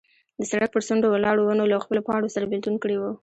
د سړک پر څنډو ولاړو ونو له خپلو پاڼو سره بېلتون کړی و.